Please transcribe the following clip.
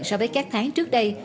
so với các tháng trước đây